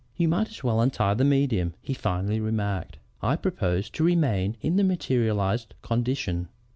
"'You might as well untie the medium,' he finally remarked. 'I propose to remain in the materialized condition.'